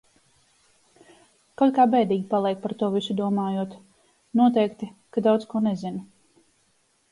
Kaut kā bēdīgi paliek par to visu domājot. Noteikti, ka daudz ko nezinu.